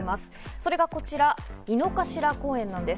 それがこちら、井の頭公園なんです。